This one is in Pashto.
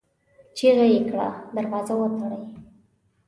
چيغه يې کړه! دروازه وتړئ!